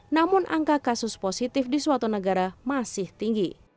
namun angka kasus positif di suatu negara masih tinggi